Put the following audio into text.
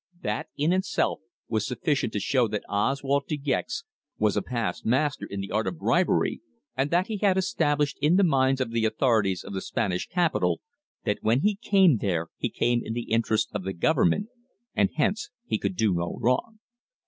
That, in itself, was sufficient to show that Oswald De Gex was a past master in the art of bribery, and that he had established in the minds of the authorities of the Spanish capital that when he came there he came in the interests of the Government, and hence he could do no wrong.